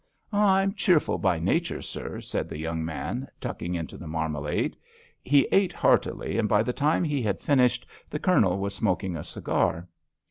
"I am cheerful by nature, sir," said the young man, tucking into the marmalade. He ate heartily, and by the time he had finished the Colonel was smoking a cigar.